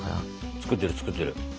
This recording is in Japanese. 作ってる作ってる。